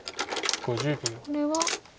これは。